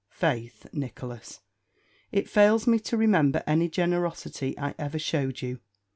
"Faith, Nicholas, it fails me to remember any generosity I ever showed you.